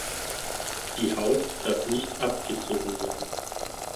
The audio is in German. Die Haut darf nicht abgezogen werden.